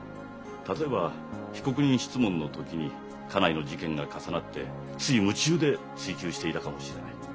例えば被告人質問の時に家内の事件が重なってつい夢中で追及していたかもしれない。